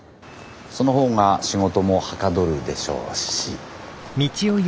その方が仕事もはかどるでしょうし。